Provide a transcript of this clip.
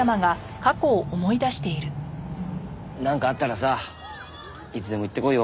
なんかあったらさいつでも言ってこいよ。